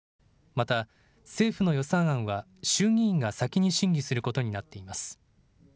また政府の予算案は衆議院が先に審議することになっています。